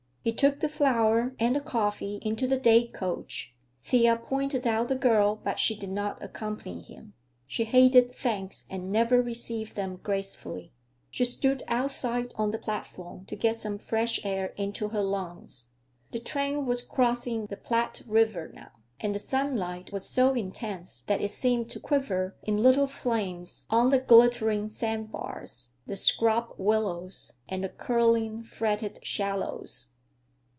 He took the flower and the coffee into the day coach. Thea pointed out the girl, but she did not accompany him. She hated thanks and never received them gracefully. She stood outside on the platform to get some fresh air into her lungs. The train was crossing the Platte River now, and the sunlight was so intense that it seemed to quiver in little flames on the glittering sandbars, the scrub willows, and the curling, fretted shallows.